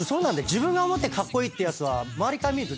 自分が思ってカッコイイってやつは周りから見ると変なのが多い。